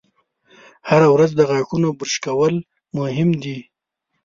هره ورځ د غاښونو برش کول مهم دي.